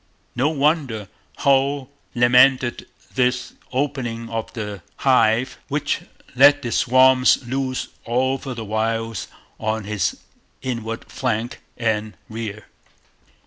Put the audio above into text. No wonder Hull lamented this 'opening of the hive,' which 'let the swarms' loose all over the wilds on his inland flank and rear.